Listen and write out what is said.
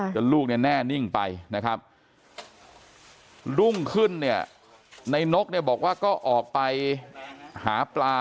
ลูกเนี่ยแน่นิ่งไปนะครับรุ่งขึ้นเนี่ยในนกเนี่ยบอกว่าก็ออกไปหาปลา